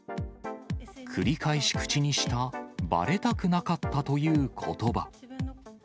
繰り返し口にした、ばれたくなかったということば。